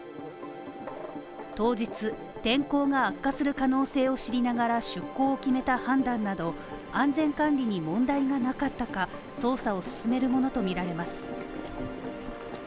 当日天候が悪化する可能性を知りながら出航を決めた判断など安全管理に問題がなかったか捜査を進めるものとみられます。